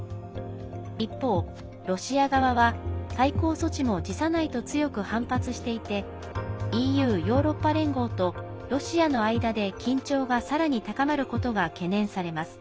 一方、ロシア側は対抗措置も辞さないと強く反発していてＥＵ＝ヨーロッパ連合とロシアの間で緊張がさらに高まることが懸念されます。